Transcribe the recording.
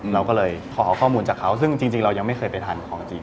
เราก็เลยขอเอาข้อมูลจากเขาซึ่งจริงเรายังไม่เคยไปทานของจริง